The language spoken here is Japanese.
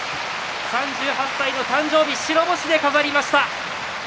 ３８歳の誕生日白星で飾りました。